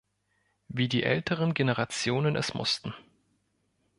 Wie die älteren Generationen es mussten.